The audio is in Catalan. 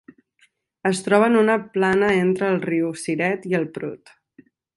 Es troba en una plana entre el riu Siret i el Prut.